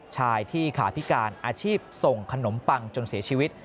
ชายที่ขาพิการอาชีพส่งขนมปังจนเสียชีวิต